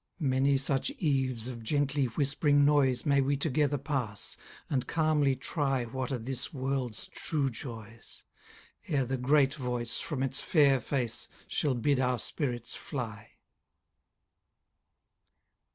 Many such eves of gently whisp'ring noise May we together pass, and calmly try What are this world's true joys, ere the great voice, From its fair face, shall bid our spirits fly.